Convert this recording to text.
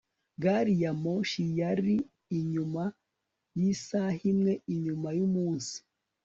gari ya moshi yari inyuma yisaha imwe inyuma yumunsi